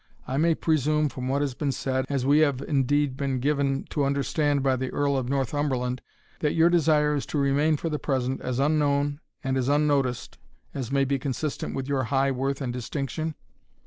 I may presume from what has been said, as we have indeed been, given to understand by the Earl of Northumberland, that your desire is to remain for the present as unknown and as unnoticed, as may be consistent with your high worth and distinction?"